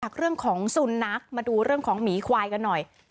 เรื่องของสุนัขมาดูเรื่องของหมีควายกันหน่อย